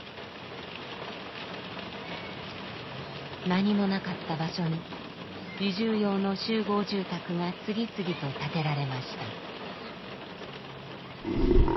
何もなかった場所に移住用の集合住宅が次々と建てられました。